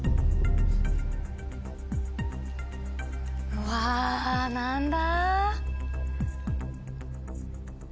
うわ何だ？